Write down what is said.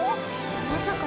まさか。